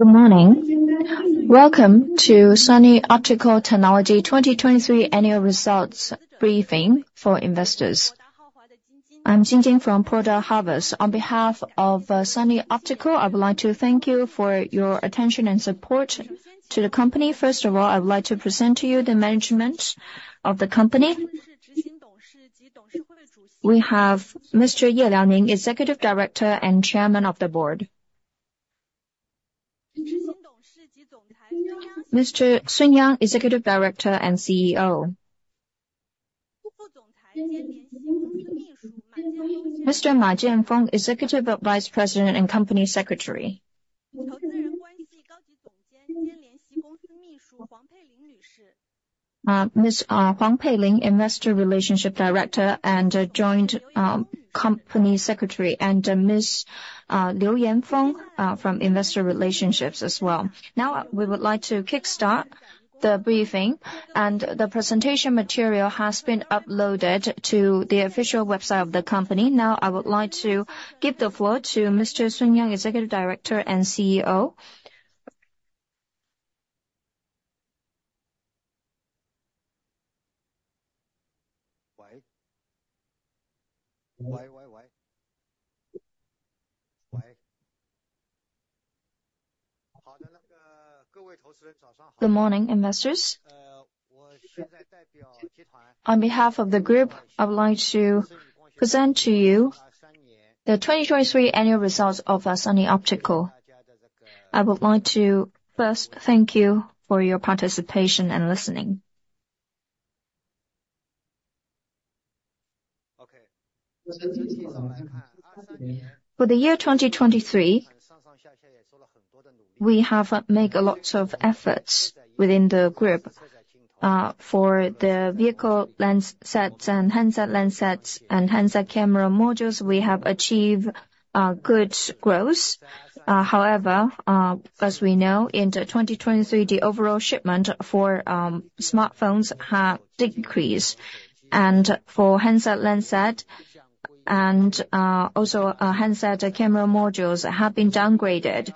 Good morning. Welcome to Sunny Optical Technology 2023 Annual Results Briefing for Investors. I'm Jingjing from Porda Havas. On behalf of Sunny Optical, I would like to thank you for your attention and support to the company. First of all, I would like to present to you the management of the company. We have Mr. Ye Liaoning, Executive Director and Chairman of the Board. Mr. Sun Yang, Executive Director and CEO. Mr. Ma Jianfeng, Executive Vice President and Company Secretary. Ms. Huang Peiling, Investor Relationship Director and Joint Company Secretary, and Ms. Liu Yanfeng from Investor Relationships as well. Now we would like to kick start the briefing, and the presentation material has been uploaded to the official website of the company. Now I would like to give the floor to Mr. Sun Yang, Executive Director and CEO. Good morning, investors. On behalf of the group, I would like to present to you the 2023 Annual Results of Sunny Optical. I would like to first thank you for your participation and listening. For the year 2023, we have made a lot of efforts within the group. For the vehicle lens sets and handset lens sets and handset camera modules, we have achieved good growth. However, as we know, in 2023, the overall shipment for smartphones has decreased, and for handset lens set and also handset camera modules have been downgraded for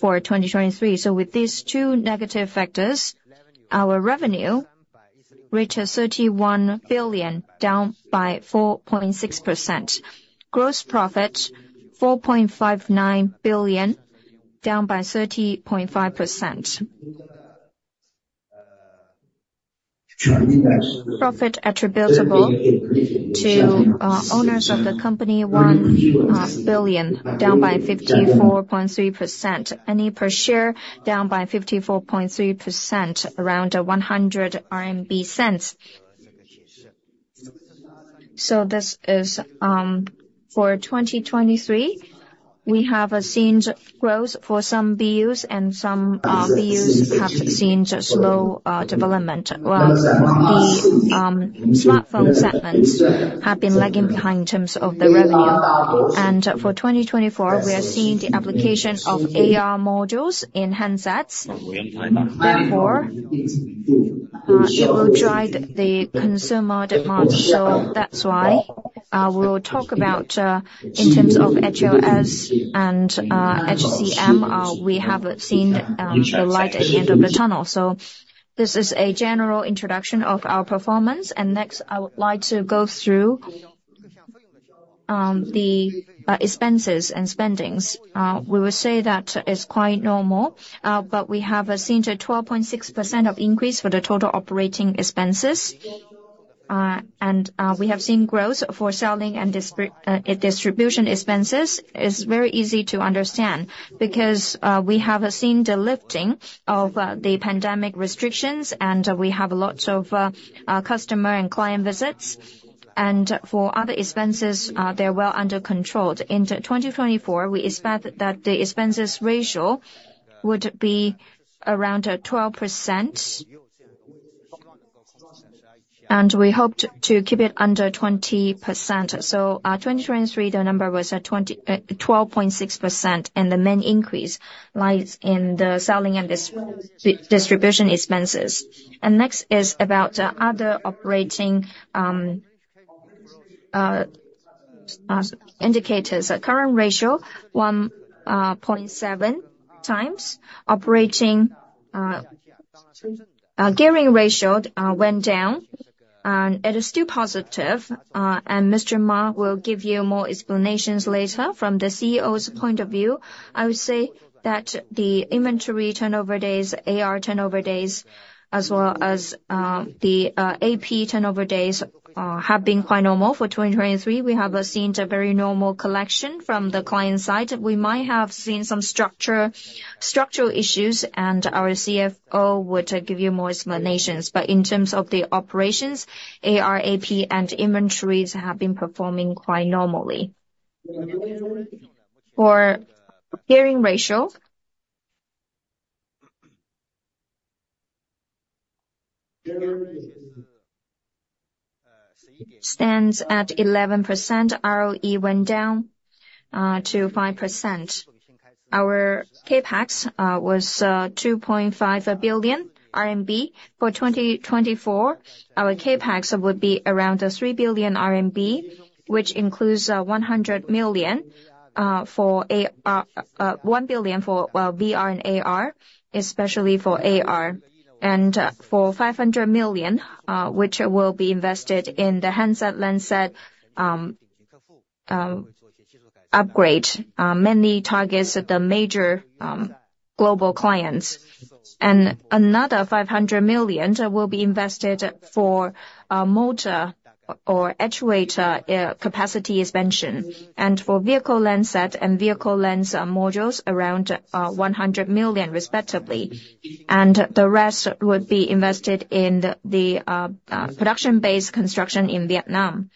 2023. So with these two negative factors, our revenue reached 31 billion, down by 4.6%. Gross profit, 4.59 billion, down by 30.5%. Profit attributable to owners of the company, 1 billion, down by 54.3%. Earnings per share, down by 54.3%, around 1.00 RMB. So this is for 2023. We have seen growth for some BUs, and some BUs have seen slow development. Well, the smartphone segments have been lagging behind in terms of the revenue. For 2024, we are seeing the application of AR modules in handsets. Therefore, it will drive the consumer demand. So that's why we will talk about in terms of HLS and HCM, we have seen the light at the end of the tunnel. So this is a general introduction of our performance. Next, I would like to go through the expenses and spending. We would say that it's quite normal, but we have seen a 12.6% increase for the total operating expenses. We have seen growth for selling and distribution expenses. It's very easy to understand because we have seen the lifting of the pandemic restrictions, and we have lots of customer and client visits. For other expenses, they're well under control. In 2024, we expect that the expenses ratio would be around 12%, and we hoped to keep it under 20%. 2023, the number was 12.6%, and the main increase lies in the selling and distribution expenses. Next is about other operating indicators. Current ratio, 1.7 times. Gearing Ratio went down, and it is still positive. Mr. Ma will give you more explanations later from the CEO's point of view. I would say that the inventory turnover days, AR turnover days, as well as the AP turnover days have been quite normal for 2023. We have seen a very normal collection from the client side. We might have seen some structural issues, and our CFO would give you more explanations. But in terms of the operations, AR, AP, and inventories have been performing quite normally. For Gearing Ratio, it stands at 11%. ROE went down to 5%. Our CapEx was 2.5 billion RMB for 2024. Our CapEx would be around 3 billion RMB, which includes 1 billion for VR and AR, especially for AR. And for 500 million, which will be invested in the handset lens set upgrade, mainly targets the major global clients. And another 500 million will be invested for motor or actuator capacity expansion and for vehicle lens set and vehicle lens modules, around 100 million, respectively. And the rest would be invested in the production-based construction in Vietnam.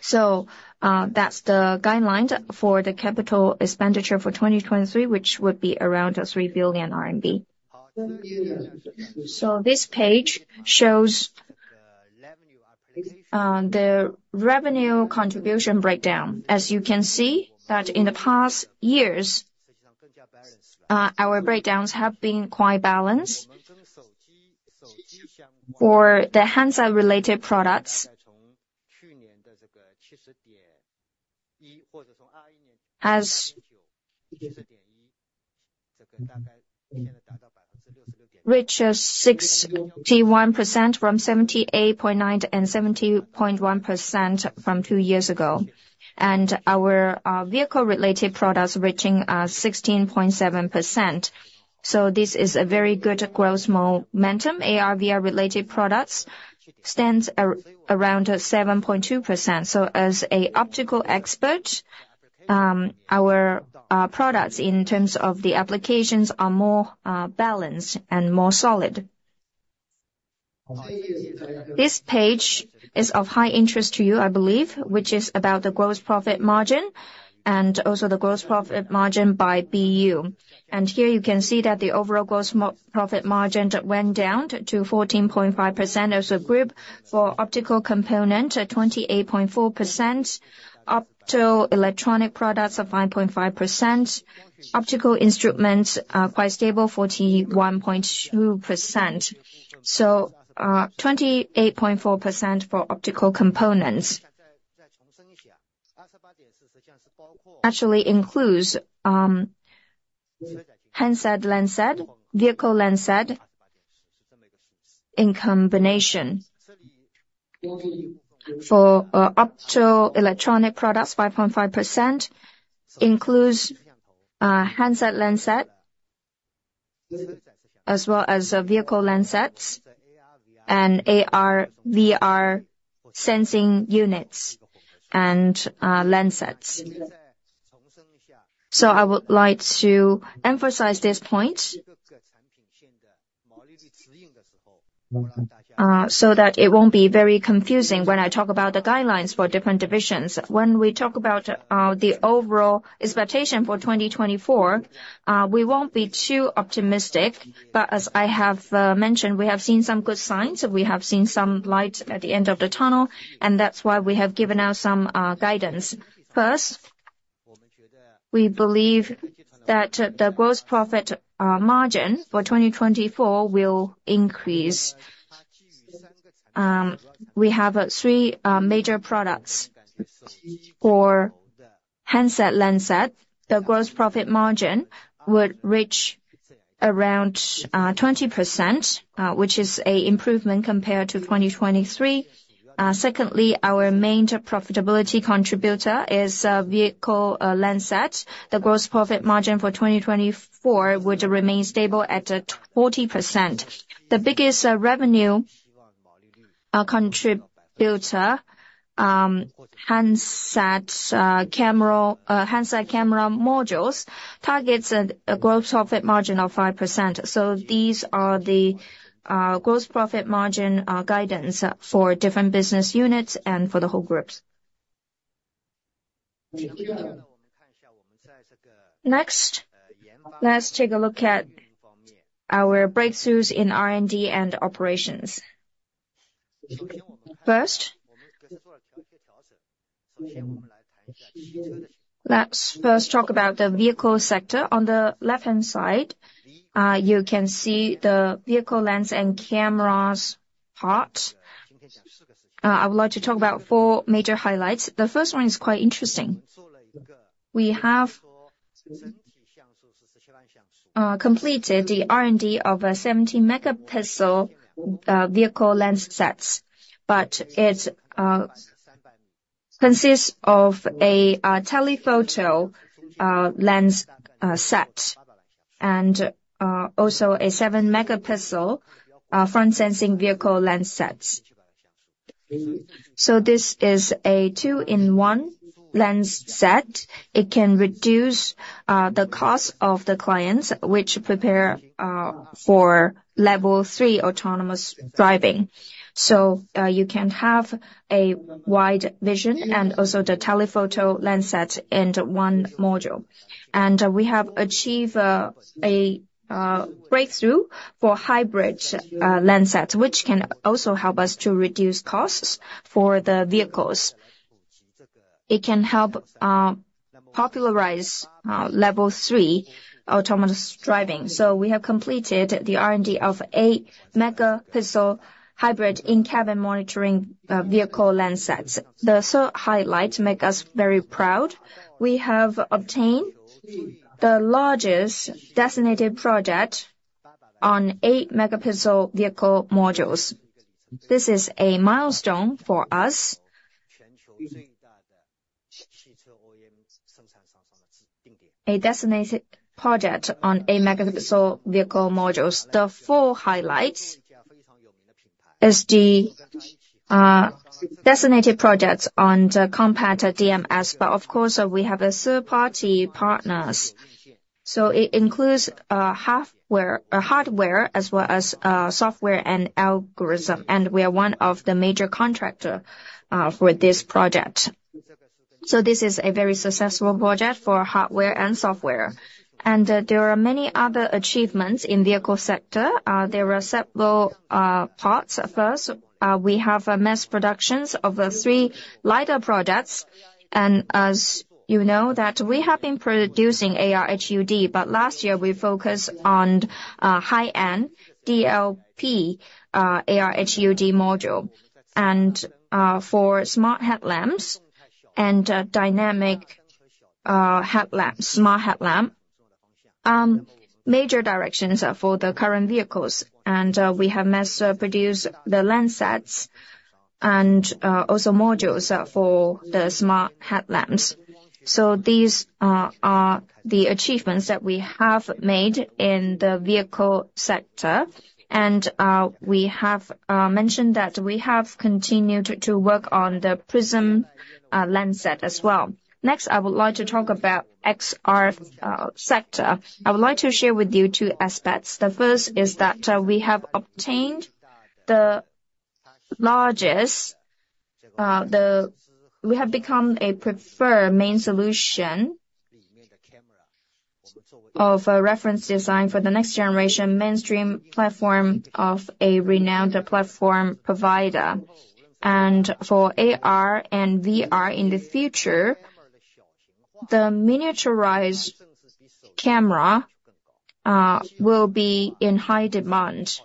So that's the guidelines for the capital expenditure for 2023, which would be around 3 billion RMB. So this page shows the revenue contribution breakdown. As you can see that in the past years, our breakdowns have been quite balanced. For the handset-related products, it reaches 61% from 78.9% and 70.1% from two years ago, and our vehicle-related products reaching 16.7%. So this is a very good growth momentum. AR/VR-related products stand around 7.2%. So as an optical expert, our products in terms of the applications are more balanced and more solid. This page is of high interest to you, I believe, which is about the gross profit margin and also the gross profit margin by BU. And here you can see that the overall gross profit margin went down to 14.5% as a group for optical component, 28.4%, optoelectronic products of 5.5%, optical instruments quite stable, 41.2%. So 28.4% for optical components actually includes handset lens set, vehicle lens set in combination. For optoelectronic products, 5.5% includes handset lens set as well as vehicle lens sets and AR/VR sensing units and lens sets. So I would like to emphasize this point so that it won't be very confusing when I talk about the guidelines for different divisions. When we talk about the overall expectation for 2024, we won't be too optimistic. But as I have mentioned, we have seen some good signs. We have seen some light at the end of the tunnel, and that's why we have given out some guidance. First, we believe that the gross profit margin for 2024 will increase. We have three major products. For handset lens set, the gross profit margin would reach around 20%, which is an improvement compared to 2023. Secondly, our main profitability contributor is vehicle lens set. The gross profit margin for 2024 would remain stable at 20%. The biggest revenue contributor, handset camera modules, targets a gross profit margin of 5%. So these are the gross profit margin guidance for different business units and for the whole groups. Next, let's take a look at our breakthroughs in R&D and operations. First, let's first talk about the vehicle sector. On the left-hand side, you can see the vehicle lens and cameras part. I would like to talk about four major highlights. The first one is quite interesting. We have completed the R&D of 70-megapixel vehicle lens sets, but it consists of a telephoto lens set and also a 7-megapixel front-sensing vehicle lens sets. So this is a 2-in-1 lens set. It can reduce the cost of the clients, which prepare for level 3 autonomous driving. So you can have a wide vision and also the telephoto lens set in one module. And we have achieved a breakthrough for hybrid lens sets, which can also help us to reduce costs for the vehicles. It can help popularize level three autonomous driving. So we have completed the R&D of 8-megapixel hybrid in-cabin monitoring vehicle lens sets. The third highlight makes us very proud. We have obtained the largest designated project on 8-megapixel vehicle modules. This is a milestone for us, a designated project on 8-megapixel vehicle modules. The four highlights are the designated projects on the compact DMS. But of course, we have third-party partners. So it includes hardware as well as software and algorithms, and we are one of the major contractors for this project. So this is a very successful project for hardware and software. And there are many other achievements in the vehicle sector. There are several parts. First, we have mass productions of three LiDAR projects. And as you know, we have been producing AR-HUD, but last year, we focused on high-end DLP AR-HUD module for smart headlamps and dynamic headlamps, smart headlamps, major directions for the current vehicles. And we have mass-produced the lens sets and also modules for the smart headlamps. So these are the achievements that we have made in the vehicle sector. And we have mentioned that we have continued to work on the prism lens set as well. Next, I would like to talk about the XR sector. I would like to share with you two aspects. The first is that we have obtained the largest we have become a preferred main solution of reference design for the next generation mainstream platform of a renowned platform provider. And for AR and VR in the future, the miniaturized camera will be in high demand.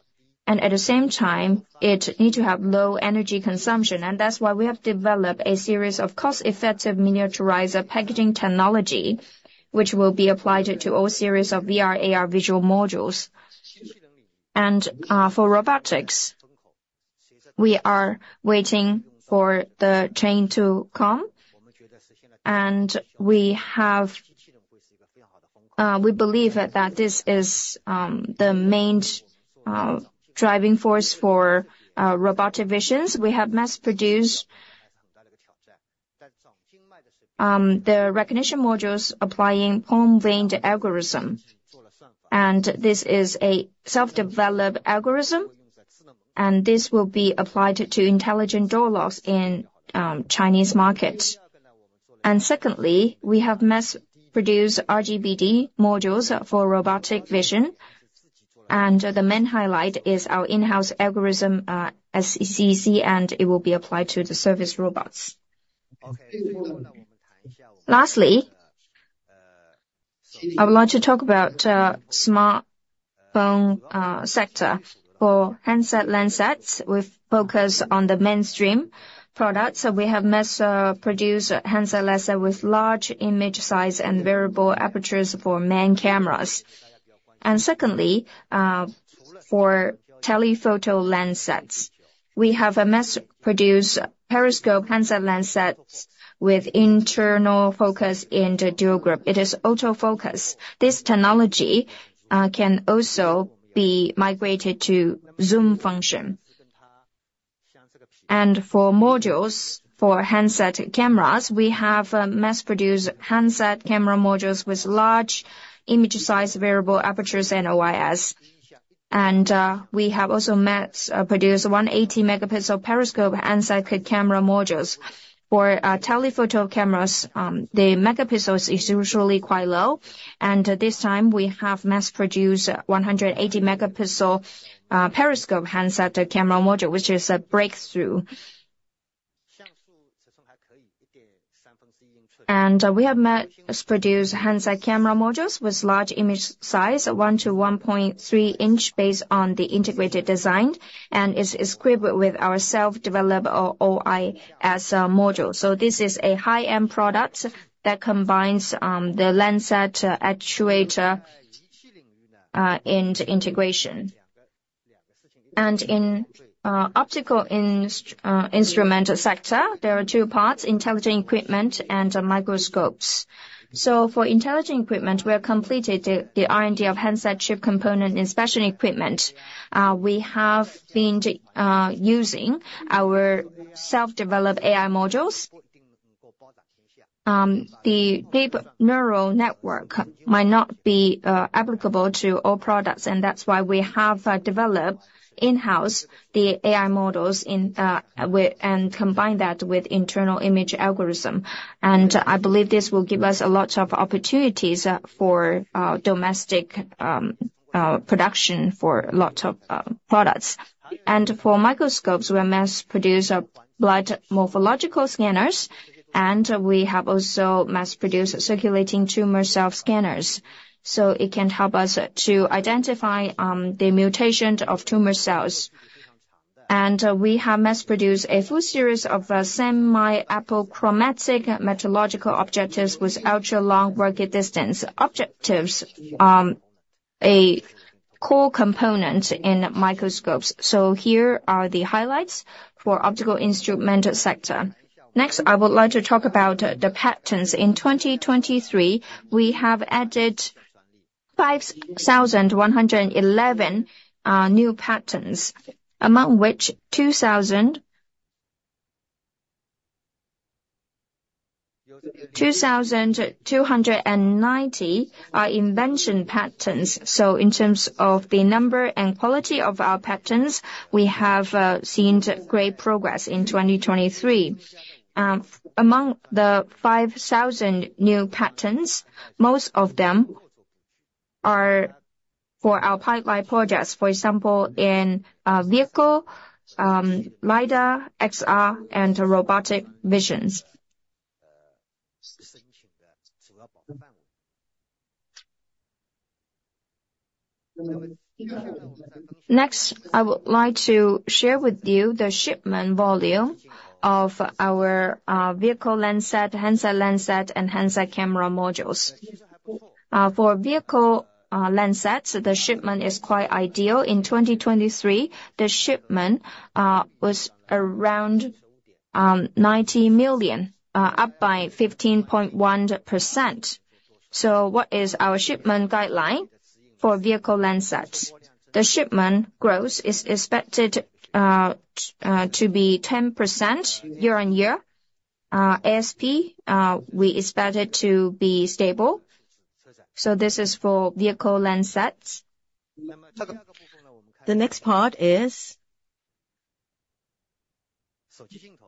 At the same time, it needs to have low energy consumption. That's why we have developed a series of cost-effective miniaturized packaging technology, which will be applied to all series of VR/AR visual modules. For robotics, we are waiting for the chain to come. We believe that this is the main driving force for robotic visions. We have mass-produced the recognition modules applying a palm vein algorithm. This is a self-developed algorithm. This will be applied to intelligent door locks in the Chinese market. Secondly, we have mass-produced RGBD modules for robotic vision. The main highlight is our in-house algorithm SCC, and it will be applied to the service robots. Lastly, I would like to talk about the smartphone sector. For handset lens sets, we focus on the mainstream products. We have mass-produced handset lens set with large image size and variable apertures for main cameras. Secondly, for telephoto lens sets, we have mass-produced periscope handset lens sets with internal focus in the dual group. It is autofocus. This technology can also be migrated to zoom function. For handset cameras, we have mass-produced handset camera modules with large image size, variable apertures, and OIS. We have also mass-produced 180-megapixel periscope handset camera modules. For telephoto cameras, the megapixel is usually quite low. This time, we have mass-produced 180-megapixel periscope handset camera module, which is a breakthrough. We have mass-produced handset camera modules with large image size, 1- to 1.3-inch based on the integrated design, and it's equipped with our self-developed OIS module. So this is a high-end product that combines the lens set, actuator, and integration. In the optical instrument sector, there are two parts: intelligent equipment and microscopes. For intelligent equipment, we have completed the R&D of handset chip component inspection equipment. We have been using our self-developed AI modules. The deep neural network might not be applicable to all products, and that's why we have developed in-house the AI modules and combined that with an internal image algorithm. I believe this will give us a lot of opportunities for domestic production for lots of products. For microscopes, we have mass-produced blood morphological scanners, and we have also mass-produced circulating tumor cell scanners. It can help us to identify the mutation of tumor cells. We have mass-produced a full series of semi-apochromatic metrological objectives with ultra-long working distance objectives, a core component in microscopes. Here are the highlights for the optical instrument sector. Next, I would like to talk about the patterns. In 2023, we have added 5,111 new patterns, among which 2,290 are invention patterns. So in terms of the number and quality of our patterns, we have seen great progress in 2023. Among the 5,000 new patterns, most of them are for our pipeline projects, for example, in vehicle LIDAR, XR, and robotic visions. Next, I would like to share with you the shipment volume of our vehicle lens set, handset lens set, and handset camera modules. For vehicle lens sets, the shipment is quite ideal. In 2023, the shipment was around 90 million, up by 15.1%. So what is our shipment guideline for vehicle lens sets? The shipment growth is expected to be 10% year-on-year. ASP, we expect it to be stable. So this is for vehicle lens sets. The next part is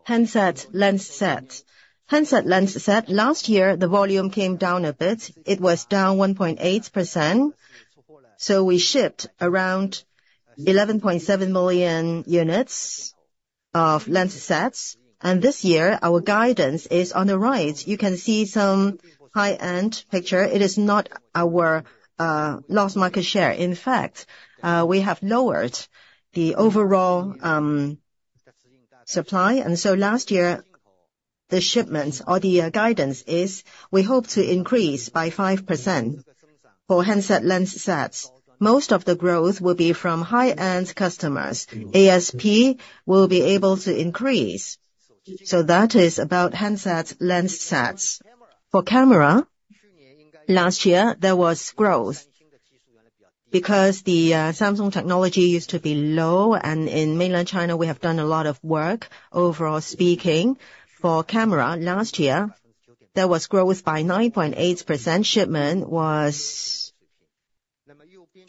handset lens sets. Handset lens set, last year, the volume came down a bit. It was down 1.8%. So we shipped around 11.7 million units of lens sets. And this year, our guidance is on the right. You can see some high-end picture. It is not our lost market share. In fact, we have lowered the overall supply. And so last year, the shipments or the guidance is we hope to increase by 5% for handset lens sets. Most of the growth will be from high-end customers. ASP will be able to increase. So that is about handset lens sets. For camera, last year, there was growth because the Samsung technology used to be low. And in mainland China, we have done a lot of work. Overall speaking, for camera, last year, there was growth by 9.8%. Shipment was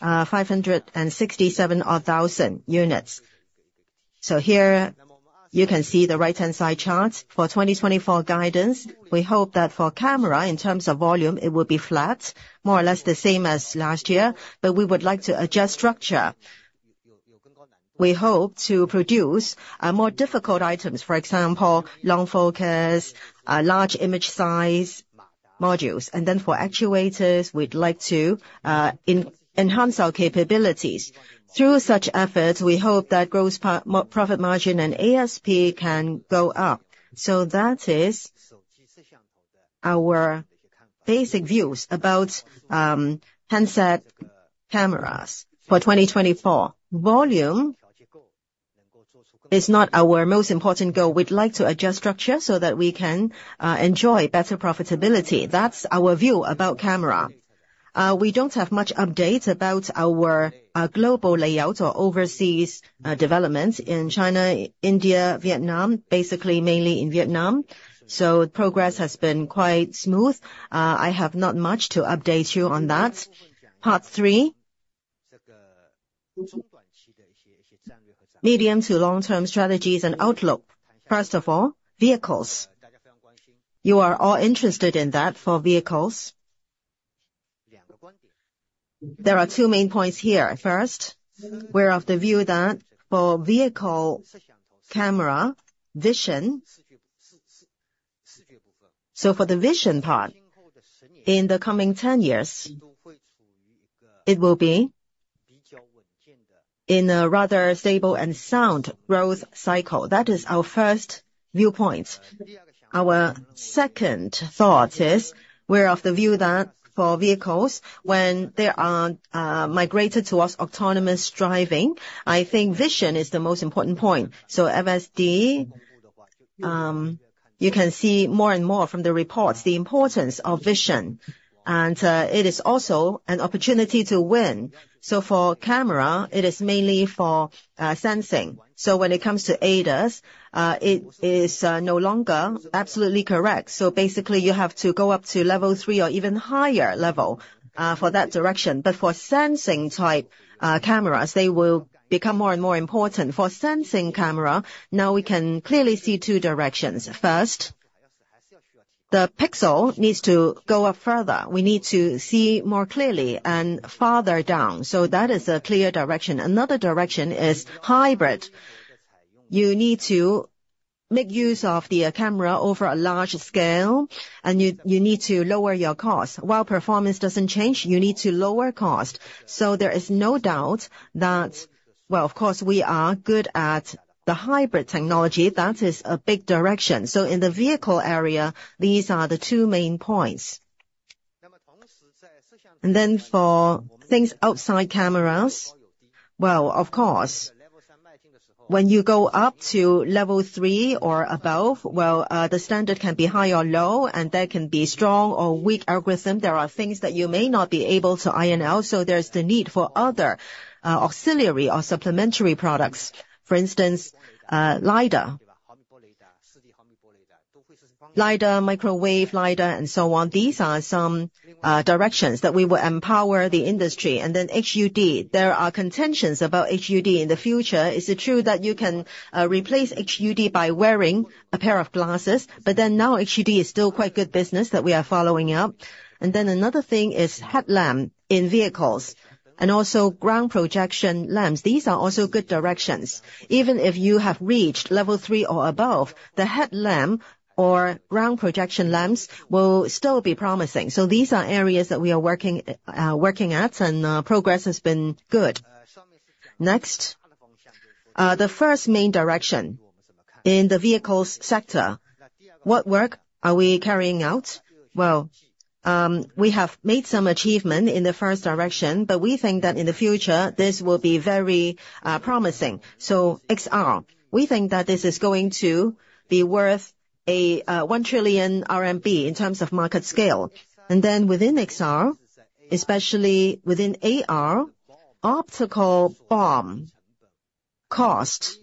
567,000 units. So here, you can see the right-hand side chart for 2024 guidance. We hope that for camera, in terms of volume, it will be flat, more or less the same as last year. But we would like to adjust structure. We hope to produce more difficult items, for example, long focus, large image size modules. And then for actuators, we'd like to enhance our capabilities. Through such efforts, we hope that gross profit margin and ASP can go up. So that is our basic views about handset cameras for 2024. Volume is not our most important goal. We'd like to adjust structure so that we can enjoy better profitability. That's our view about camera. We don't have much update about our global layout or overseas developments in China, India, Vietnam, basically mainly in Vietnam. So progress has been quite smooth. I have not much to update you on that. Part three, medium- to long-term strategies and outlook. First of all, vehicles. You are all interested in that for vehicles. There are two main points here. First, we're of the view that for vehicle camera vision, so for the vision part, in the coming 10 years, it will be in a rather stable and sound growth cycle. That is our first viewpoint. Our second thought is we're of the view that for vehicles, when they are migrated towards autonomous driving, I think vision is the most important point. So FSD, you can see more and more from the reports, the importance of vision. And it is also an opportunity to win. So for camera, it is mainly for sensing. So when it comes to ADAS, it is no longer absolutely correct. So basically, you have to go up to level three or even higher level for that direction. But for sensing-type cameras, they will become more and more important. For sensing camera, now we can clearly see two directions. First, the pixel needs to go up further. We need to see more clearly and farther down. So that is a clear direction. Another direction is hybrid. You need to make use of the camera over a large scale, and you need to lower your cost. While performance doesn't change, you need to lower cost. So there is no doubt that, well, of course, we are good at the hybrid technology. That is a big direction. So in the vehicle area, these are the two main points. And then for things outside cameras, well, of course, when you go up to level three or above, well, the standard can be high or low, and there can be strong or weak algorithms. There are things that you may not be able to handle. So there's the need for other auxiliary or supplementary products. For instance, LIDAR, microwave LIDAR, and so on. These are some directions that we will empower the industry. And then HUD, there are contentions about HUD in the future. Is it true that you can replace HUD by wearing a pair of glasses? But then now HUD is still quite good business that we are following up. And then another thing is headlamps in vehicles and also ground projection lamps. These are also good directions. Even if you have reached level three or above, the headlamp or ground projection lamps will still be promising. So these are areas that we are working at, and progress has been good. Next, the first main direction in the vehicles sector, what work are we carrying out? Well, we have made some achievement in the first direction, but we think that in the future, this will be very promising. So XR, we think that this is going to be worth 1 trillion RMB in terms of market scale. And then within XR, especially within AR, optical BOM cost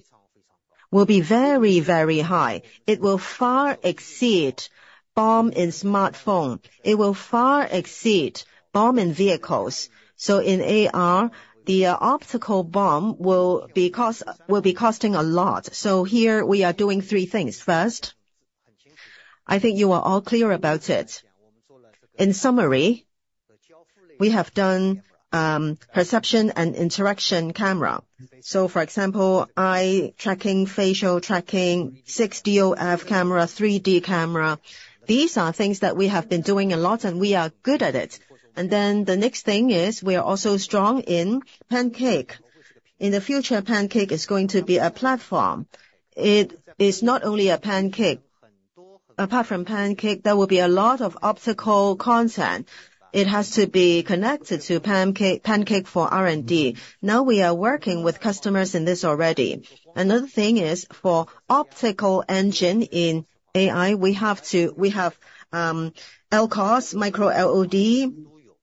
will be very, very high. It will far exceed BOM in smartphone. It will far exceed BOM in vehicles. So in AR, the optical BOM will be costing a lot. So here, we are doing three things. First, I think you are all clear about it. In summary, we have done perception and interaction camera. So for example, eye tracking, facial tracking, 6DoF camera, 3D camera. These are things that we have been doing a lot, and we are good at it. And then the next thing is we are also strong in pancake. In the future, pancake is going to be a platform. It is not only a pancake. Apart from pancake, there will be a lot of optical content. It has to be connected to pancake for R&D. Now we are working with customers in this already. Another thing is for optical engine in AI, we have LCOS, Micro LED,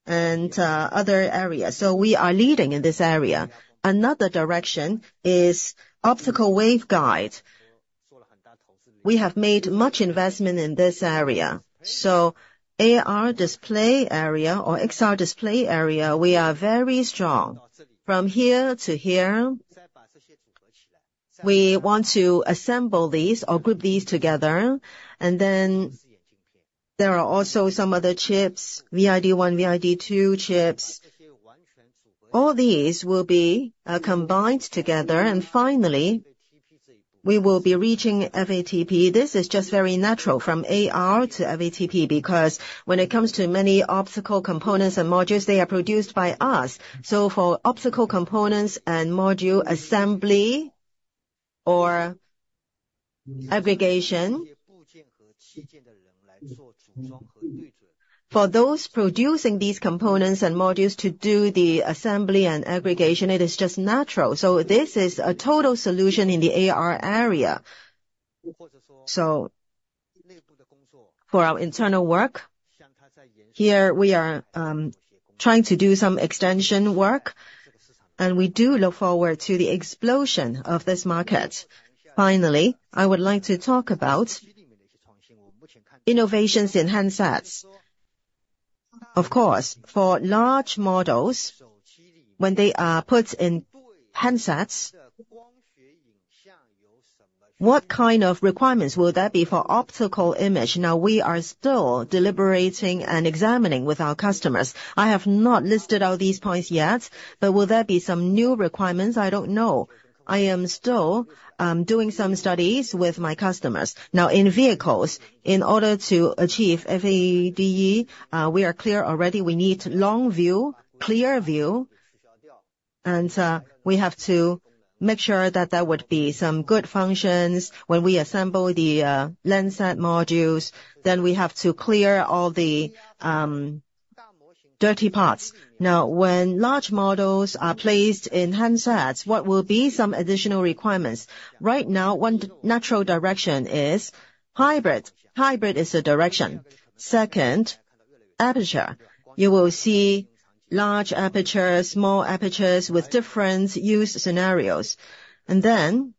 and other areas. So we are leading in this area. Another direction is optical wave guide. We have made much investment in this area. So AR display area or XR display area, we are very strong. From here to here, we want to assemble these or group these together. And then there are also some other chips, VID1, VID2 chips. All these will be combined together. And finally, we will be reaching FATP. This is just very natural from AR to FATP because when it comes to many optical components and modules, they are produced by us. So for optical components and module assembly or aggregation, for those producing these components and modules to do the assembly and aggregation, it is just natural. So this is a total solution in the AR area. So for our internal work, here, we are trying to do some extension work, and we do look forward to the explosion of this market. Finally, I would like to talk about innovations in handsets. Of course, for large models, when they are put in handsets, what kind of requirements will there be for optical image? Now, we are still deliberating and examining with our customers. I have not listed out these points yet, but will there be some new requirements? I don't know. I am still doing some studies with my customers. Now, in vehicles, in order to achieve FSD, we are clear already. We need long view, clear view. And we have to make sure that there would be some good functions when we assemble the lens set modules. Then we have to clear all the dirty parts. Now, when large models are placed in handsets, what will be some additional requirements? Right now, one natural direction is hybrid. Hybrid is a direction. Second, aperture. You will see large apertures, small apertures with different use scenarios. And then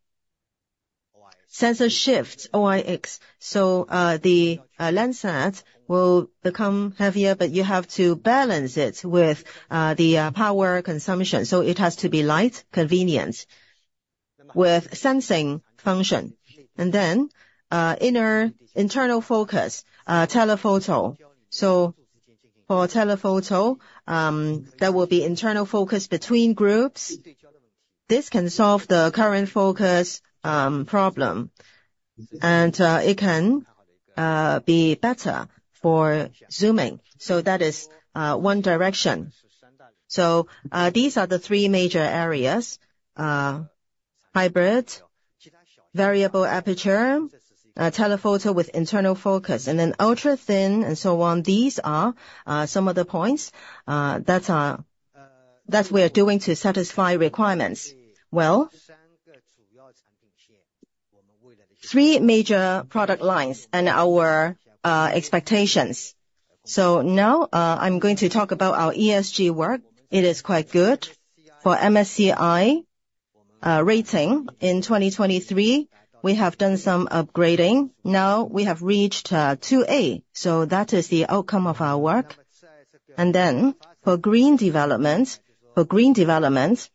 sensor shifts, OIS. So the lens set will become heavier, but you have to balance it with the power consumption. So it has to be light, convenient with sensing function. And then internal focus, telephoto. So for telephoto, there will be internal focus between groups. This can solve the current focus problem, and it can be better for zooming. So that is one direction. So these are the three major areas: hybrid, variable aperture, telephoto with internal focus, and then ultra-thin, and so on. These are some of the points that we are doing to satisfy requirements. Well, three major product lines and our expectations. So now I'm going to talk about our ESG work. It is quite good. For MSCI rating in 2023, we have done some upgrading. Now we have reached 2A. So that is the outcome of our work. And then for green development, for green development,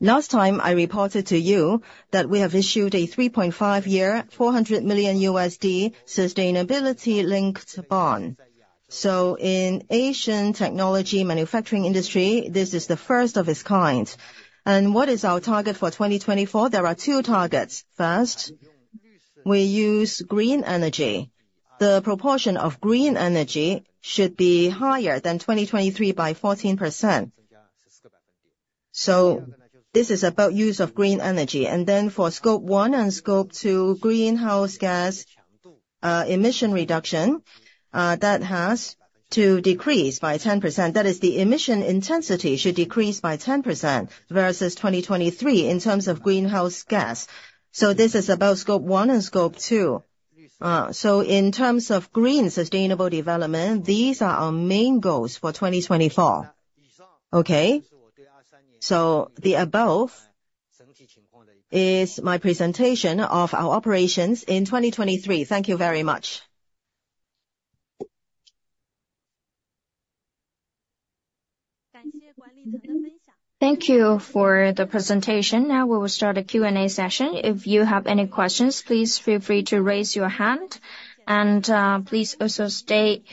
last time I reported to you that we have issued a 3.5%-year, $400 million sustainability-linked bond. So in Asian technology manufacturing industry, this is the first of its kind. And what is our target for 2024? There are two targets. First, we use green energy. The proportion of green energy should be higher than 2023 by 14%. So this is about use of green energy. And then for scope one and scope two, greenhouse gas emission reduction, that has to decrease by 10%. That is, the emission intensity should decrease by 10% versus 2023 in terms of greenhouse gas. So this is about scope one and scope two. So in terms of green sustainable development, these are our main goals for 2024. Okay? So the above is my presentation of our operations in 2023. Thank you very much. Thank you for the presentation. Now we will start a Q&A session. If you have any questions, please feel free to raise your hand. And please also state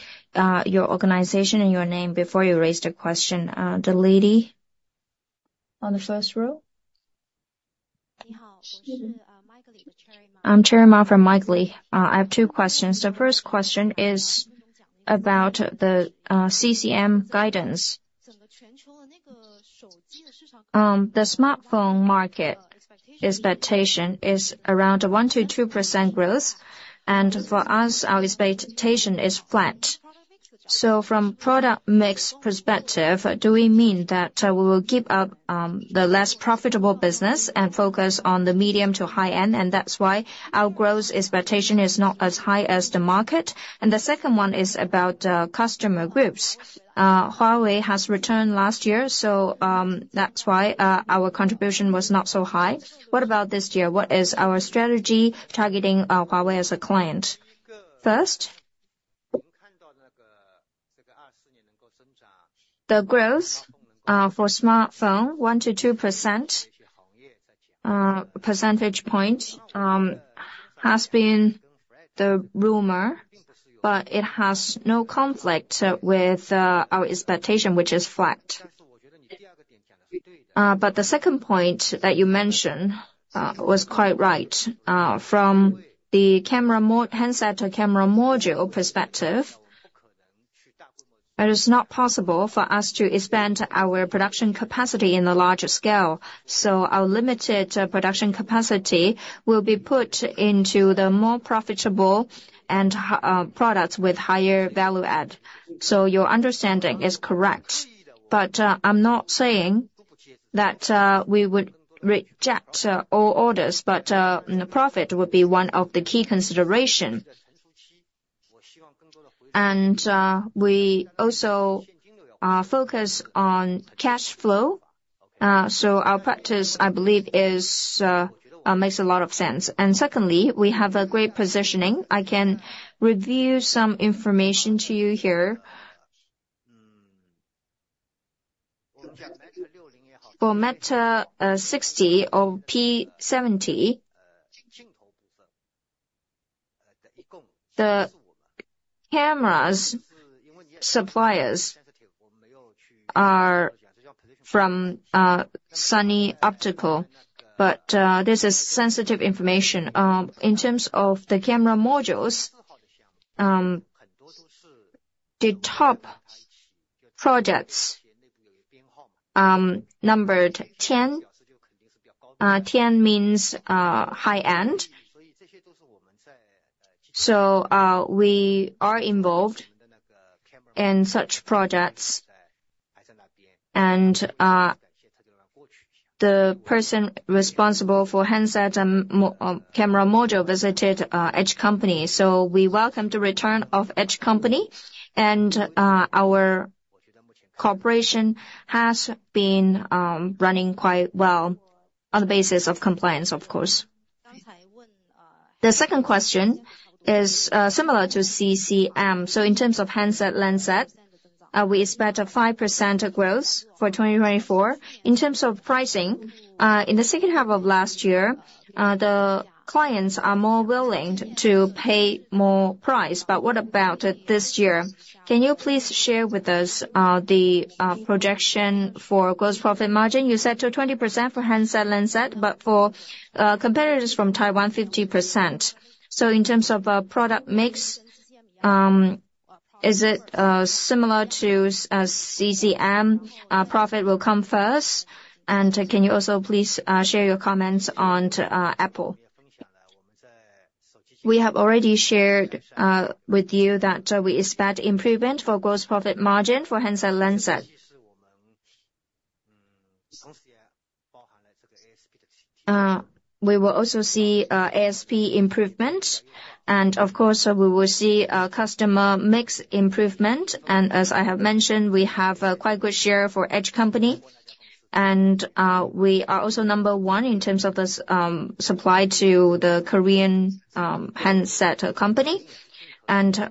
your organization and your name before you raise the question. The lady on the first row? I'm Cherry Ma from Macquari. I have two questions. The first question is about the CCM guidance. The smartphone market expectation is around 1%-2% growth. And for us, our expectation is flat. So from product mix perspective, do we mean that we will give up the less profitable business and focus on the medium to high end? And that's why our growth expectation is not as high as the market. And the second one is about customer groups. Huawei has returned last year, so that's why our contribution was not so high. What about this year? What is our strategy targeting Huawei as a client? First, the growth for smartphone, 1%-2% percentage point, has been the rumor, but it has no conflict with our expectation, which is flat. But the second point that you mentioned was quite right. From the handset to camera module perspective, it is not possible for us to expand our production capacity in the larger scale. So our limited production capacity will be put into the more profitable products with higher value add. So your understanding is correct. But I'm not saying that we would reject all orders, but profit would be one of the key considerations. And we also focus on cash flow. So our practice, I believe, makes a lot of sense. And secondly, we have a great positioning. I can review some information to you here. For Mate 60 or P70, the camera suppliers are from Sunny Optical, but this is sensitive information. In terms of the camera modules, the top projects numbered 10. 10 means high end. So we are involved in such projects. And the person responsible for handset and camera module visited H Company. So we welcomed the return of H Company, and our cooperation has been running quite well on the basis of compliance, of course. The second question is similar to CCM. So in terms of handset lens set, we expect a 5% growth for 2024. In terms of pricing, in the second half of last year, the clients are more willing to pay more price. But what about this year? Can you please share with us the projection for gross profit margin? You said 20% for handset lens set, but for competitors from Taiwan, 50%. So in terms of product mix, is it similar to CCM? Profit will come first. And can you also please share your comments on Apple? We have already shared with you that we expect improvement for gross profit margin for handset lens set. We will also see ASP improvement. Of course, we will see customer mix improvement. As I have mentioned, we have a quite good share for Edge Company. We are also number one in terms of supply to the Korean handset company.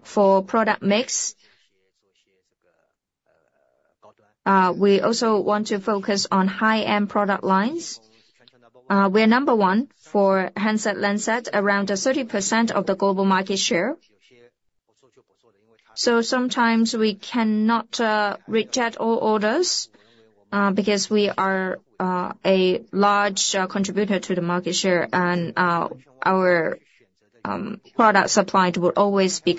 For product mix, we also want to focus on high-end product lines. We are number one for handset lens set, around 30% of the global market share. So sometimes we cannot reject all orders because we are a large contributor to the market share, and our product supply would always be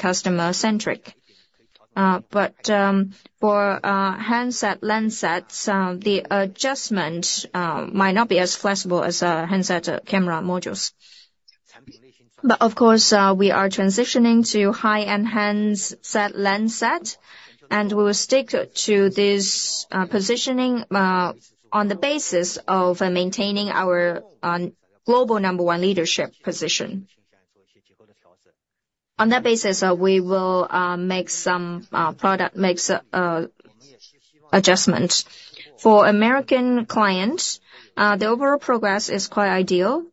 customer-centric. For handset lens sets, the adjustment might not be as flexible as handset camera modules. Of course, we are transitioning to high-end handset lens set, and we will stick to this positioning on the basis of maintaining our global number one leadership position. On that basis, we will make some product mix adjustments. For American clients, the overall progress is quite ideal.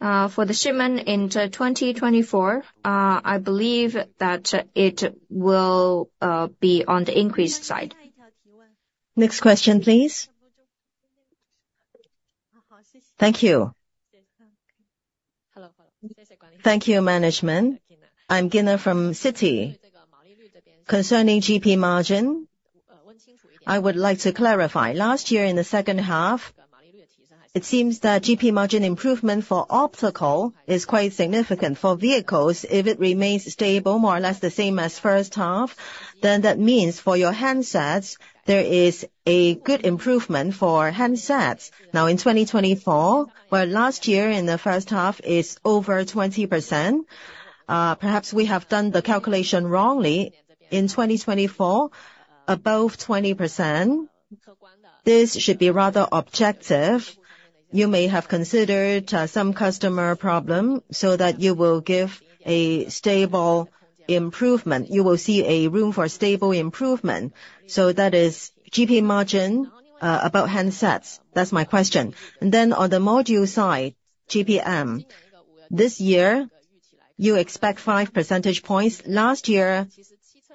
For the shipment in 2024, I believe that it will be on the increased side. Next question, please. Thank you. Thank you, management. I'm Gina from Citi. Concerning GP margin, I would like to clarify. Last year, in the second half, it seems that GP margin improvement for optical is quite significant for vehicles. If it remains stable more or less the same as first half, then that means for your handsets, there is a good improvement for handsets. Now, in 2024, where last year in the first half is over 20%, perhaps we have done the calculation wrongly. In 2024, above 20%, this should be rather objective. You may have considered some customer problem so that you will give a stable improvement. You will see a room for stable improvement. So that is GP margin about handsets. That's my question. Then on the module side, GPM, this year you expect 5 percentage points. Last year,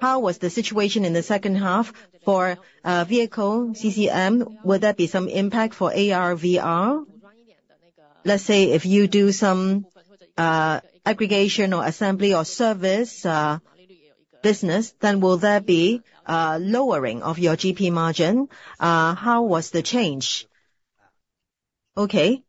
how was the situation in the second half for vehicle CCM? Will there be some impact for AR/VR? Let's say if you do some aggregation or assembly or service business, then will there be a lowering of your GP margin? How was the change? Okay.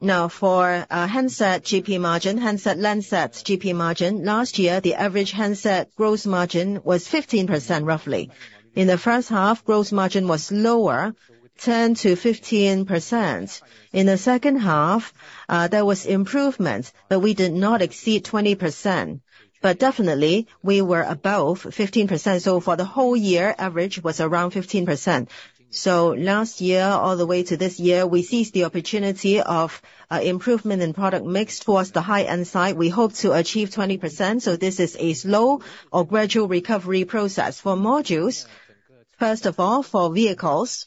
Now, for handset GP margin, handset lens set GP margin, last year, the average handset gross margin was 15% roughly. In the first half, gross margin was lower, 10%-15%. In the second half, there was improvement, but we did not exceed 20%. But definitely, we were above 15%. So for the whole year, average was around 15%. So last year, all the way to this year, we seized the opportunity of improvement in product mix towards the high-end side. We hope to achieve 20%. So this is a slow or gradual recovery process for modules. First of all, for vehicles,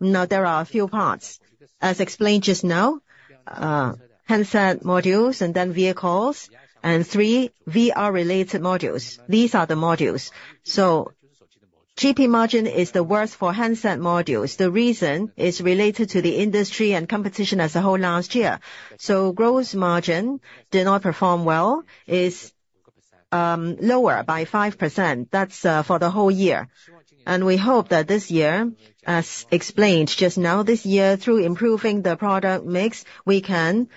now there are a few parts, as explained just now: handset modules and then vehicles, and three VR-related modules. These are the modules. So GP margin is the worst for handset modules. The reason is related to the industry and competition as a whole last year. So gross margin did not perform well, is lower by 5%. That's for the whole year. And we hope that this year, as explained just now, this year, through improving the product mix, we can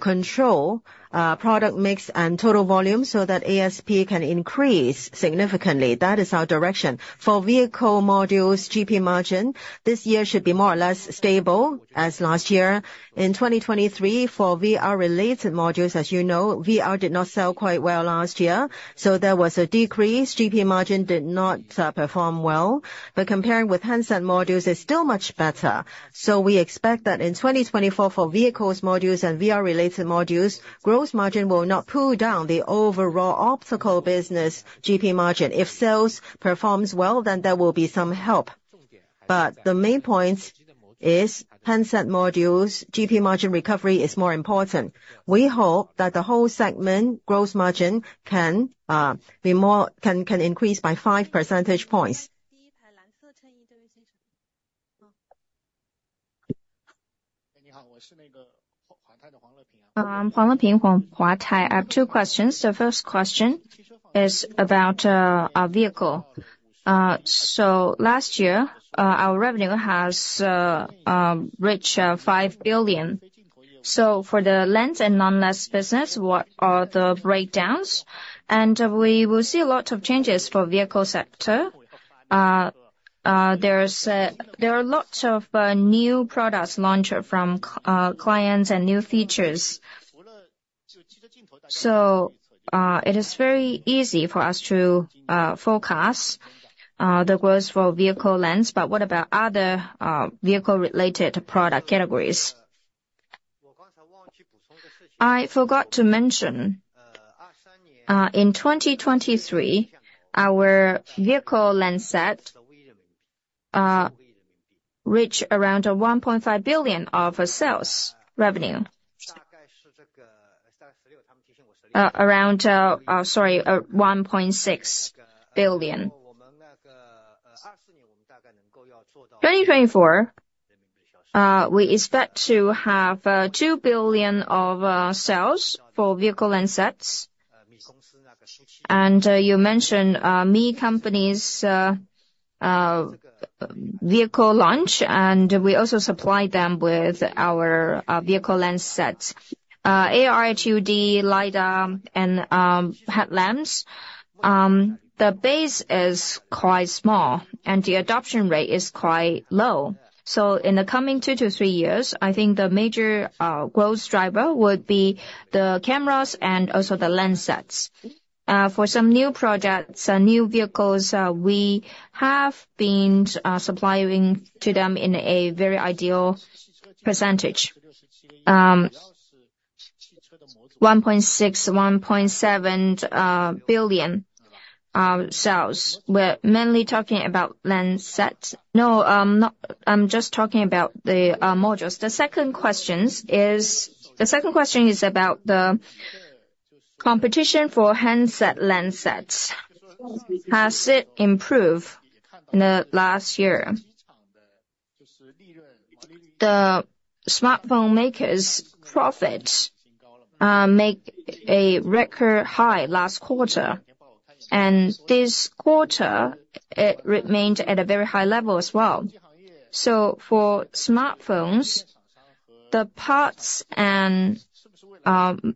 control product mix and total volume so that ASP can increase significantly. That is our direction. For vehicle modules, GP margin this year should be more or less stable as last year. In 2023, for VR-related modules, as you know, VR did not sell quite well last year. So there was a decrease. GP margin did not perform well. Comparing with handset modules, it's still much better. We expect that in 2024, for vehicles modules and VR-related modules, gross margin will not pull down the overall optical business GP margin. If sales performs well, then there will be some help. The main point is handset modules, GP margin recovery is more important. We hope that the whole segment gross margin can increase by 5 percentage points. Leping. I have two questions. The first question is about our vehicle. So last year, our revenue has reached 5 billion. So for the lens and non-lens business, what are the breakdowns? And we will see a lot of changes for vehicle sector. There are lots of new products launched from clients and new features. So it is very easy for us to forecast the growth for vehicle lens. But what about other vehicle-related product categories? I forgot to mention, in 2023, our vehicle lens set reached around 1.5 billion of sales revenue, around 2024. We expect to have 2 billion of sales for vehicle lens sets. And you mentioned Mi company's vehicle launch, and we also supply them with our vehicle lens sets, AR-HUD, LiDAR, and headlamps. The base is quite small, and the adoption rate is quite low. So in the coming two-three years, I think the major growth driver would be the cameras and also the lens sets. For some new projects and new vehicles, we have been supplying to them in a very ideal percentage: 1.6 billion-1.7 billion sales. We're mainly talking about lens sets. No, I'm just talking about the modules. The second question is about the competition for handset lens sets. Has it improved in the last year? The smartphone makers' profits made a record high last quarter, and this quarter, it remained at a very high level as well. So for smartphones, the parts and phone makers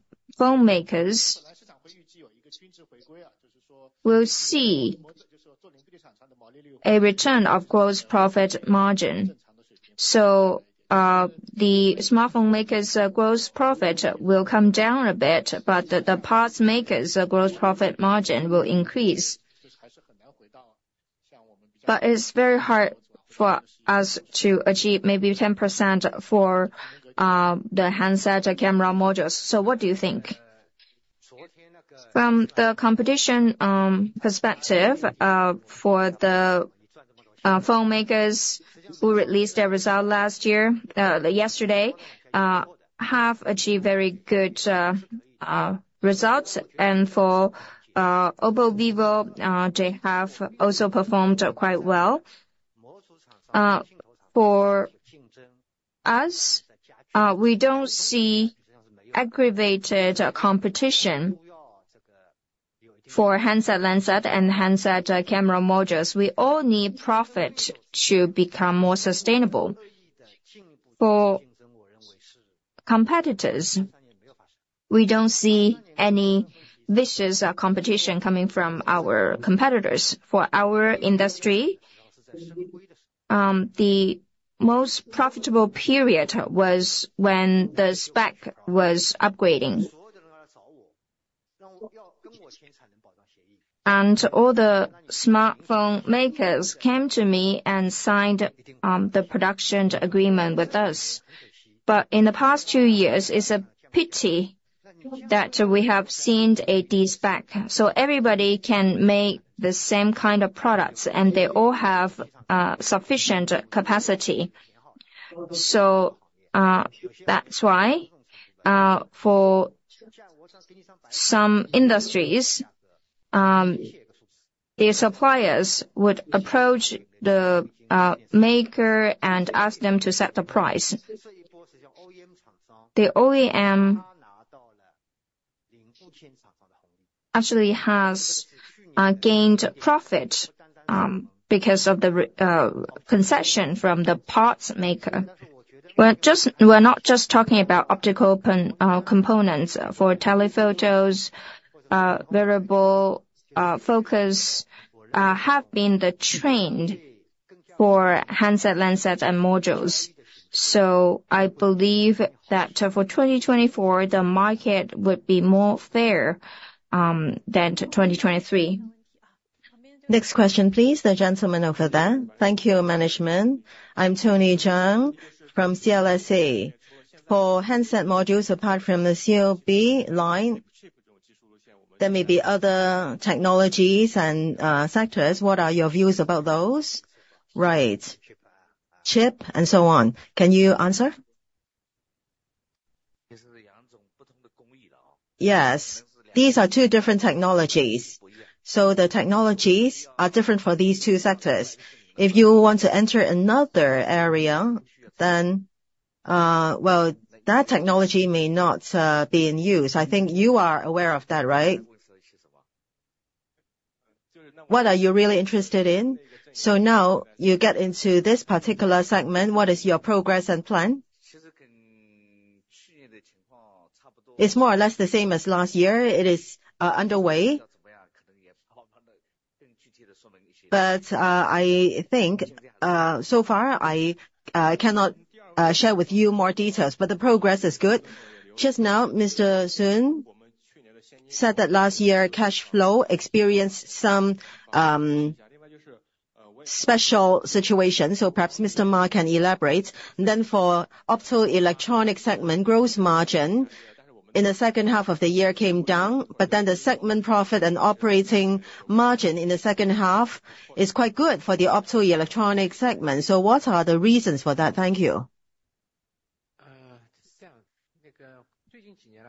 will see a return of gross profit margin. So the smartphone makers' gross profit will come down a bit, but the parts makers' gross profit margin will increase. But it's very hard for us to achieve maybe 10% for the handset camera modules. So what do you think? From the competition perspective, for the phone makers who released their result yesterday have achieved very good results. For Oppo Vivo, they have also performed quite well. For us, we don't see aggravated competition for handset lens set and handset camera modules. We all need profit to become more sustainable. For competitors, we don't see any vicious competition coming from our competitors. For our industry, the most profitable period was when the spec was upgrading. All the smartphone makers came to me and signed the production agreement with us. In the past two years, it's a pity that we have seen a despec. Everybody can make the same kind of products, and they all have sufficient capacity. That's why for some industries, their suppliers would approach the maker and ask them to set the price. The OEM actually has gained profit because of the concession from the parts maker. We're not just talking about optical components. For telephotos, variable focus have been the trend for handset lens set and modules. So I believe that for 2024, the market would be more fair than 2023. Next question, please. The gentleman over there. Thank you, management. I'm Tony Jiang from CLSA. For handset modules, apart from the COB line, there may be other technologies and sectors. What are your views about those? Right. Chip and so on. Can you answer? Yes. These are two different technologies. So the technologies are different for these two sectors. If you want to enter another area, then well, that technology may not be in use. I think you are aware of that, right? What are you really interested in? So now you get into this particular segment. What is your progress and plan? It's more or less the same as last year. It is underway. But I think so far, I cannot share with you more details, but the progress is good. Just now, Mr. Sun said that last year, cash flow experienced some special situation. So perhaps Mr. Ma can elaborate. Then for optoelectronic segment, gross margin in the second half of the year came down, but then the segment profit and operating margin in the second half is quite good for the optoelectronic segment. So what are the reasons for that? Thank you.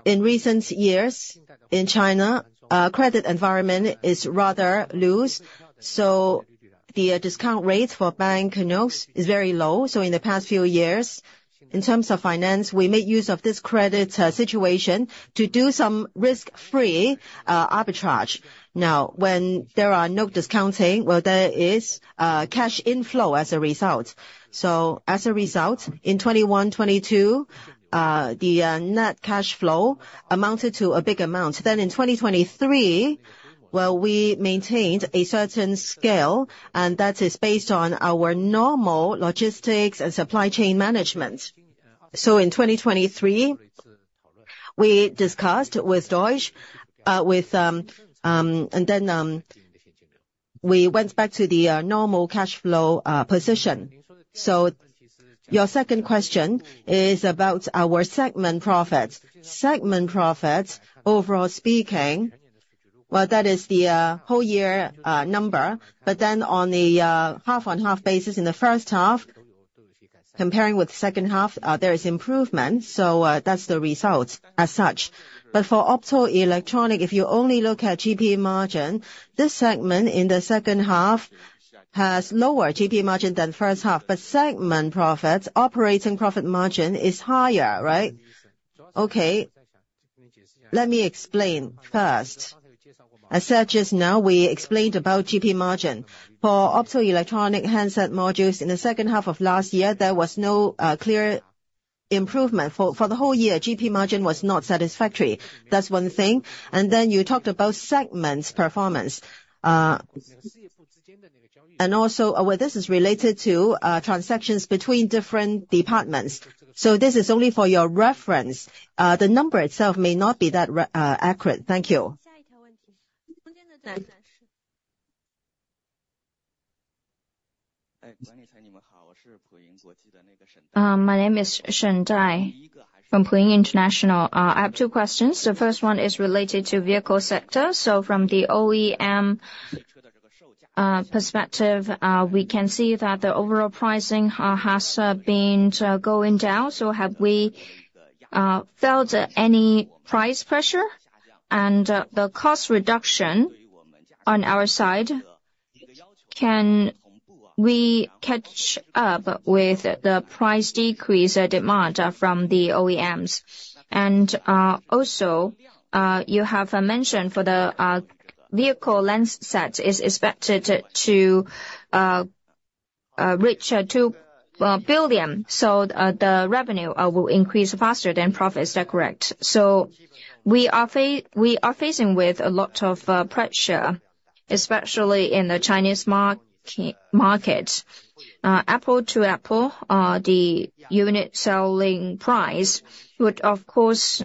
In recent years in China, credit environment is rather loose. So the discount rate for bank notes is very low. So in the past few years, in terms of finance, we made use of this credit situation to do some risk-free arbitrage. Now, when there are no discounting, well, there is cash inflow as a result. So as a result, in 2021, 2022, the net cash flow amounted to a big amount. Then in 2023, well, we maintained a certain scale, and that is based on our normal logistics and supply chain management. So in 2023, we discussed with Deutsche, and then we went back to the normal cash flow position. So your second question is about our segment profits. Segment profits, overall speaking, well, that is the whole year number. But then on a half-on-half basis in the first half, comparing with the second half, there is improvement. So that's the result as such. But for optoelectronic, if you only look at GP margin, this segment in the second half has lower GP margin than first half. But segment profits, operating profit margin is higher, right? Okay. Let me explain first. As said just now, we explained about GP margin. For optoelectronic handset modules in the second half of last year, there was no clear improvement. For the whole year, GP margin was not satisfactory. That's one thing. And then you talked about segment performance. And also, well, this is related to transactions between different departments. So this is only for your reference. The number itself may not be that accurate. Thank you. My name is Shen Dai from Puyin International. I have two questions. The first one is related to vehicle sector. So from the OEM perspective, we can see that the overall pricing has been going down. So have we felt any price pressure? And the cost reduction on our side, can we catch up with the price decrease demand from the OEMs? And also, you have mentioned for the vehicle lens set is expected to reach 2 billion. So the revenue will increase faster than profits. Is that correct? So we are facing with a lot of pressure, especially in the Chinese market. Apple to apple, the unit selling price would, of course,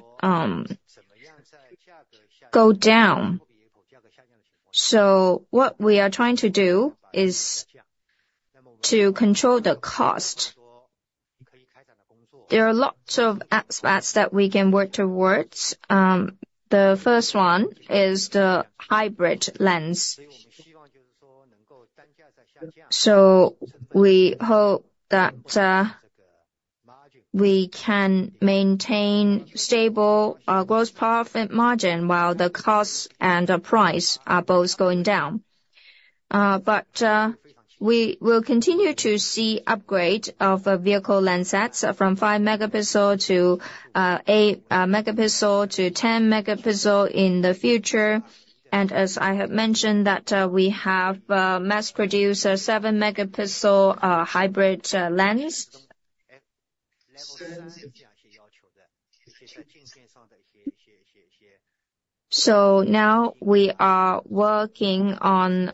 go down. So what we are trying to do is to control the cost. There are lots of aspects that we can work towards. The first one is the hybrid lens. We hope that we can maintain stable gross profit margin while the cost and the price are both going down. We will continue to see upgrade of vehicle lens sets from 5-megapixel to 8-megapixel to 10-megapixel in the future. As I have mentioned, that we have mass-produced 7-megapixel hybrid lens. Now we are working on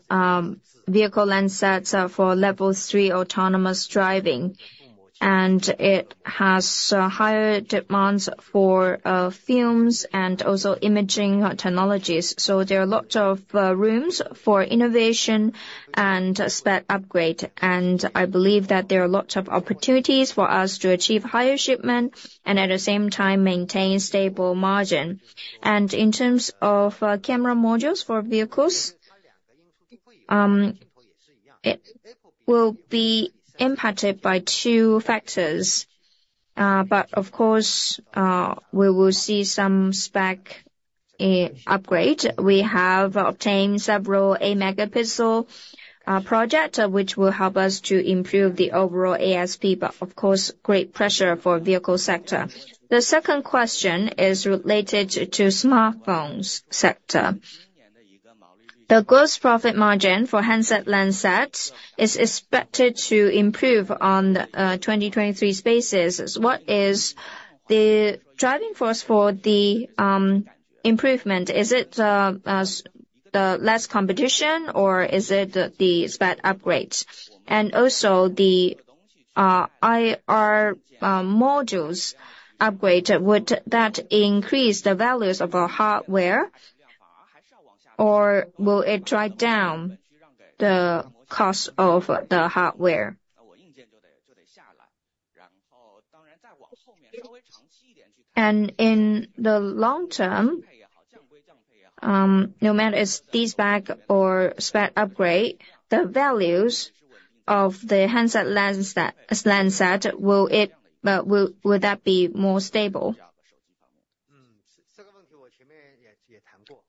vehicle lens sets for level 3 autonomous driving. It has higher demands for films and also imaging technologies. There are lots of rooms for innovation and spec upgrade. I believe that there are lots of opportunities for us to achieve higher shipment and at the same time maintain stable margin. In terms of camera modules for vehicles, it will be impacted by two factors. Of course, we will see some spec upgrade. We have obtained several 8-megapixel projects, which will help us to improve the overall ASP, but of course, great pressure for vehicle sector. The second question is related to smartphone sector. The gross profit margin for handset lens sets is expected to improve on the 2023 basis. What is the driving force for the improvement? Is it the less competition, or is it the spec upgrades? And also, the IR modules upgrade, would that increase the values of our hardware, or will it drive down the cost of the hardware? And in the long term, no matter if despec or spec upgrade, the values of the handset lens set, will that be more stable?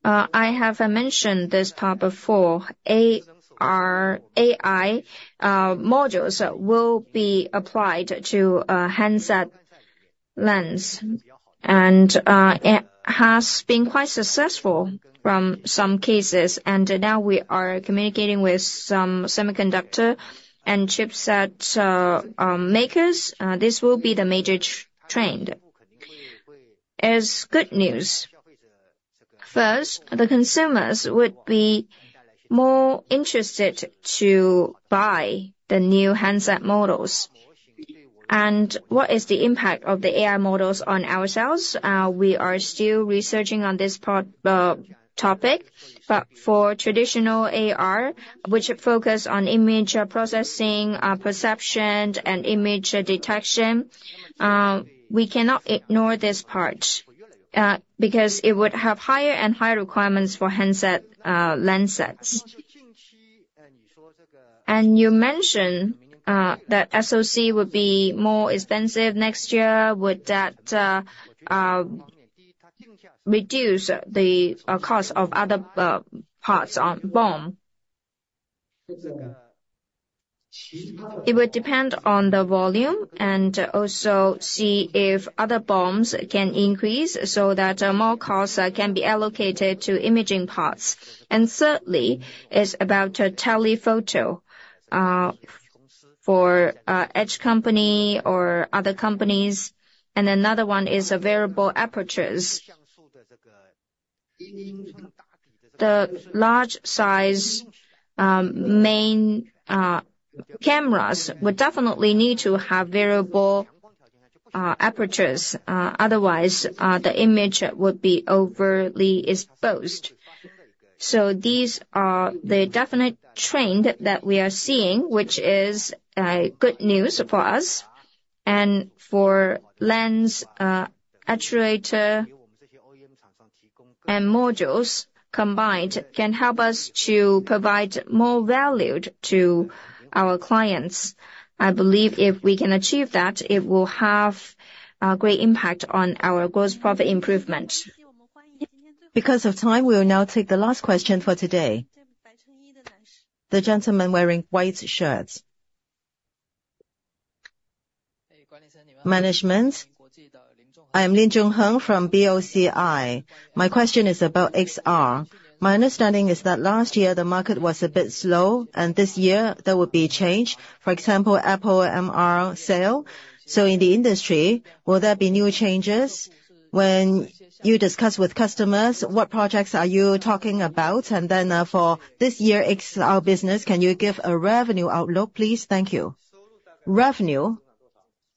I have mentioned this part before. AI modules will be applied to handset lens, and it has been quite successful in some cases. And now we are communicating with some semiconductor and chipset makers. This will be the major trend. It's good news. First, the consumers would be more interested to buy the new handset models. What is the impact of the AI models on ourselves? We are still researching on this topic. But for traditional AR, which focus on image processing, perception, and image detection, we cannot ignore this part because it would have higher and higher requirements for handset lens sets. And you mentioned that SOC would be more expensive next year. Would that reduce the cost of other parts on BOM? It would depend on the volume and also see if other BOMs can increase so that more costs can be allocated to imaging parts. And thirdly, it's about telephoto for Edge Company or other companies. And another one is variable apertures. The large-size main cameras would definitely need to have variable apertures. Otherwise, the image would be overly exposed. So these are the definite trend that we are seeing, which is good news for us. And for lens, actuator, and modules combined, can help us to provide more value to our clients. I believe if we can achieve that, it will have a great impact on our gross profit improvement. Because of time, we will now take the last question for today. The gentleman wearing white shirt. Management, I am Lin Junheng from BOCI. My question is about XR. My understanding is that last year, the market was a bit slow, and this year, there would be change. For example, Apple MR sale. So in the industry, will there be new changes? When you discuss with customers, what projects are you talking about? And then for this year, XR business, can you give a revenue outlook, please? Thank you. Revenue.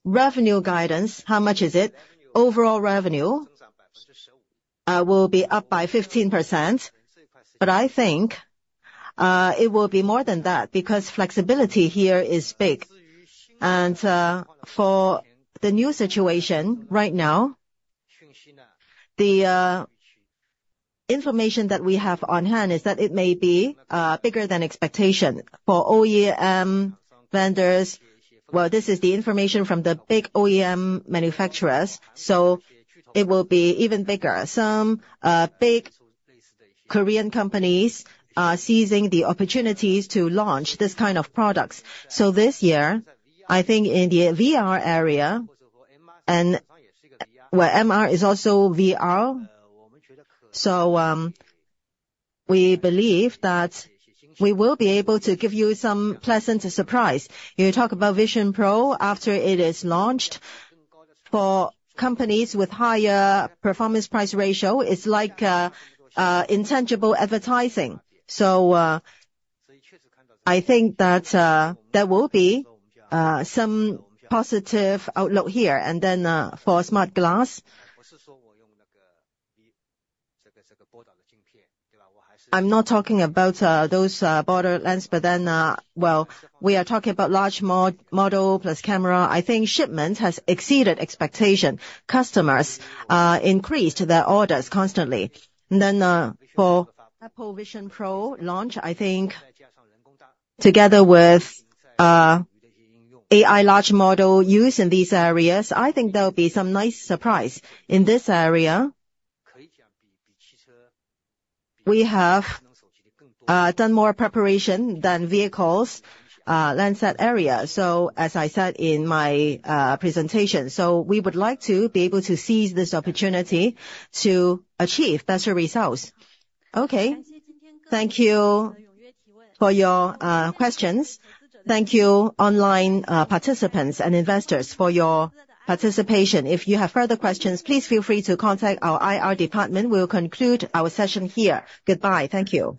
Revenue guidance, how much is it? Overall revenue will be up by 15%. But I think it will be more than that because flexibility here is big. And for the new situation right now, the information that we have on hand is that it may be bigger than expectation for OEM vendors. Well, this is the information from the big OEM manufacturers. So it will be even bigger. Some big Korean companies are seizing the opportunities to launch this kind of products. So this year, I think in the VR area and well, MR is also VR. So we believe that we will be able to give you some pleasant surprise. You talk about Vision Pro after it is launched. For companies with higher performance price ratio, it's like intangible advertising. So I think that there will be some positive outlook here. And then for smart glass, I'm not talking about those Birdbath, but then well, we are talking about large model plus camera. I think shipment has exceeded expectation. Customers increased their orders constantly. And then for Apple Vision Pro launch, I think together with AI large model use in these areas, I think there will be some nice surprise. In this area, we have done more preparation than vehicles lens set area. So as I said in my presentation, so we would like to be able to seize this opportunity to achieve better results. Okay. Thank you for your questions. Thank you, online participants and investors, for your participation. If you have further questions, please feel free to contact our IR department. We will conclude our session here. Goodbye. Thank you.